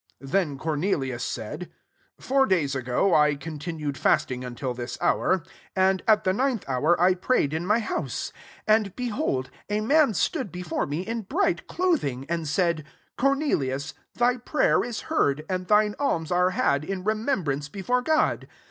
30 Then Cornelius said, 'f Four days ago I continu ed fasting until this hour ; and at th^ ninth [hourl I prayed in my house : and, behold, a man stood before me in bright clothing, 31 and said, < Corne lius, thy prayer is heard, and thine alms are had in remem brance before God.